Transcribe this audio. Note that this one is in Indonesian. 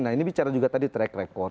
nah ini bicara juga tadi track record